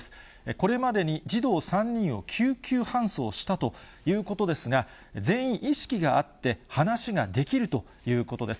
これまでに児童３人を救急搬送したということですが、全員意識があって、話ができるということです。